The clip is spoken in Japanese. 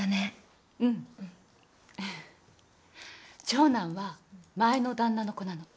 長男は前のだんなの子なの。